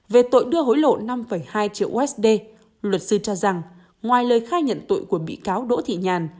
về tội đưa hối lộ năm hai triệu usd luật sư cho rằng ngoài lời khai nhận tội của bị cáo đỗ thị nhàn